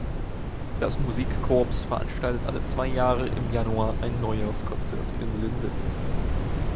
Das Musikcorps veranstaltet alle zwei Jahre im Januar ein Neujahrskonzert in Linden.